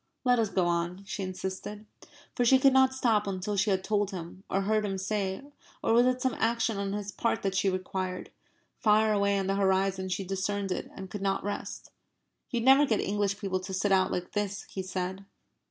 "Let us go on," she insisted. For she could not stop until she had told him or heard him say or was it some action on his part that she required? Far away on the horizon she discerned it and could not rest. "You'd never get English people to sit out like this," he said.